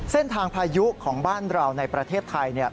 เส้นทางพายุของบ้านเราในประเทศไทย